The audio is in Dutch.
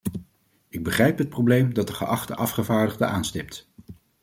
Ik begrijp het probleem dat de geachte afgevaardigde aanstipt.